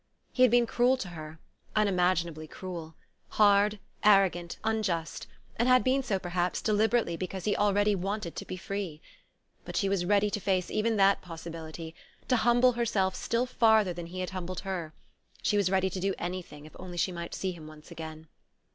He had been cruel to her, unimaginably cruel: hard, arrogant, unjust; and had been so, perhaps, deliberately, because he already wanted to be free. But she was ready to face even that possibility, to humble herself still farther than he had humbled her she was ready to do anything, if only she might see him once again.